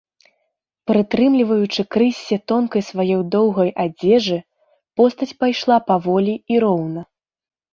Прытрымліваючы крыссе тонкай сваёй доўгай адзежы, постаць пайшла паволі і роўна.